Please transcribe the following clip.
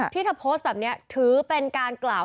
ที่เธอโพสต์แบบนี้ถือเป็นการกล่าว